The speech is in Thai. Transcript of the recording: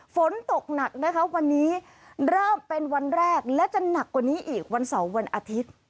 ฝนตกหนักนะคะวันนี้เริ่มเป็นวันแรกและจะหนักกว่านี้อีกวันเสาร์วันอาทิตย์